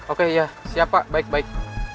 oke ya siap pak baik baik